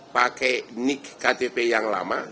pakai nik ktp yang lama